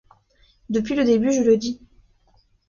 Depuis le début je le dis.